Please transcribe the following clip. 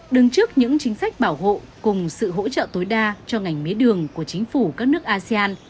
đứng trước những chính sách bảo hộ cùng sự hỗ trợ tối đa cho ngành mía đường của chính phủ các nước asean